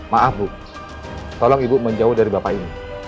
maaf bu tolong ibu menjauh dari bapak ini